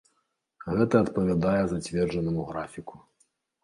Гэта адпавядае зацверджанаму графіку.